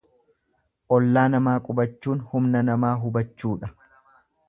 Ollaa namaa qubachuun humna namaa hubachuudha.